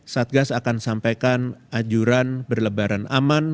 satgas akan sampaikan anjuran berlebaran aman